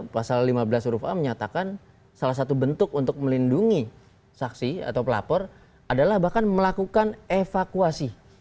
pasal lima belas huruf a menyatakan salah satu bentuk untuk melindungi saksi atau pelapor adalah bahkan melakukan evakuasi